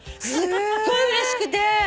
すっごいうれしくて。